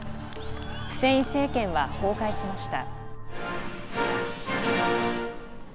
フセイン政権は崩壊しました。